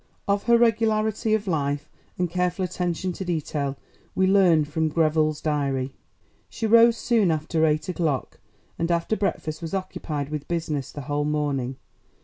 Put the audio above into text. Of her regularity of life and careful attention to detail we learn from Greville's diary. She rose soon after eight o'clock, and after breakfast was occupied with business the whole morning.